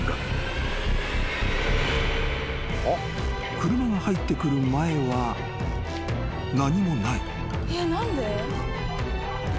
［車が入ってくる前は何もない］